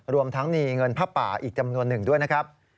รวมทั้งมีเงินผ้าป่าอีกจำนวนหนึ่งด้วยนะครับ